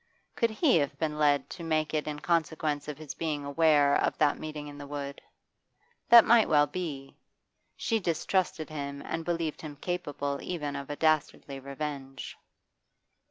Could he have been led to make it in consequence of his being aware of that meeting in the wood? That might well be; she distrusted him and believed him capable even of a dastardly revenge.